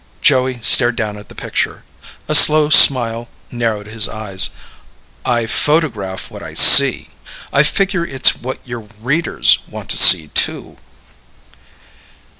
Joey stared down at the picture. A slow smile narrowed his eyes. "I photograph what I see. I figure it's what your readers want to see, too."